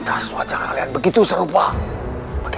ekspresi dengan tuhan